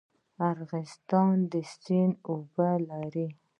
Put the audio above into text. ارغستان سیند اوبه لري؟